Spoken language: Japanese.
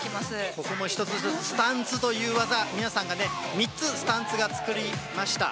ここも１つずつスタンツという技、皆さんがね、３つスタンツを作りました、